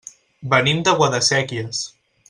Venim de Guadasséquies.